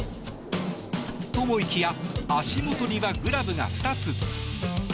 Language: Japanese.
と、思いきや足元にはグラブが２つ。